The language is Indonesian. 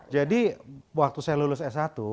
jadi waktu saya lulus s satu